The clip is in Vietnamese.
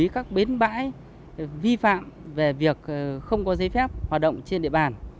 các bến bãi vi phạm về việc không có giấy phép hoạt động trên địa bàn